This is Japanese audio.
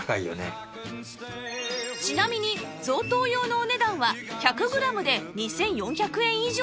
ちなみに贈答用のお値段は１００グラムで２４００円以上ですが